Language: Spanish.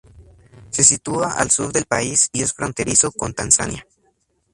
Se sitúa al sur del país y es fronterizo con Tanzania.